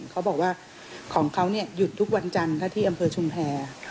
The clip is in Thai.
เขาบอกว่าของเขาหยุดทุกวันจันทร์ที่อำเภอชุมแพร